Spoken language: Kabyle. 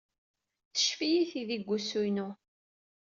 Teccef-iyi tidi deg wusu-inu.